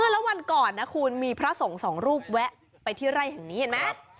แล้ววันก่อนนะคุณมีพระสงฆ์สองรูปแวะไปที่ไร่แห่งนี้เห็นไหม